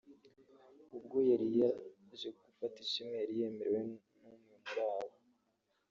ubwo yari aje gufata ishimwe yari yemerewe n’umwe muri bo